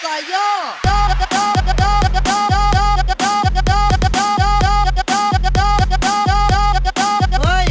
อ้าวว่าไงสายย่อ